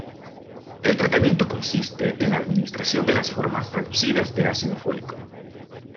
El tratamiento consiste en la administración de las formas reducidas de ácido fólico.